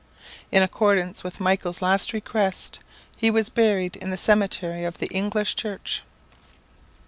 In accordance with Michael's last request, he was buried in the cemetry of the English church.